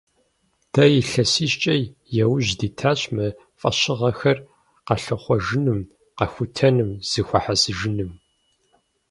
Дэ илъэсищкӀэ яужь дитащ мы фӀэщыгъэхэр къэлъыхъуэжыным, къэхутэным, зэхуэхьэсыжыным.